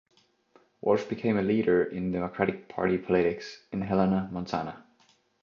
Walsh became a leader in Democratic Party politics in Helena, Montana.